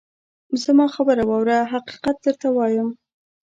زما خبره واوره ! حقیقت درته وایم.